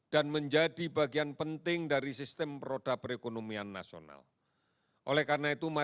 dan menjadi bagian penting dari sistem peroda berat